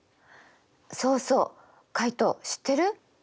そうそうカイト知ってる？